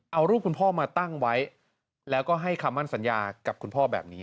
เอารูปคุณพ่อมาตั้งไว้แล้วก็ให้คำมั่นสัญญากับคุณพ่อแบบนี้